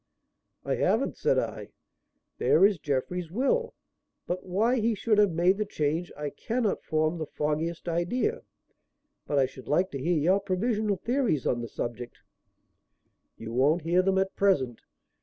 "I haven't," said I. "There is Jeffrey's will, but why he should have made the change I cannot form the foggiest idea. But I should like to hear your provisional theories on the subject." "You won't hear them at present.